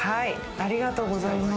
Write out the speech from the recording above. ありがとうございます。